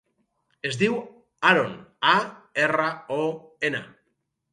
Es diu Aron: a, erra, o, ena.